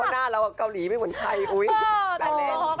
ตีเป็นเลขอะไรอีกไหมตีเป็นเลข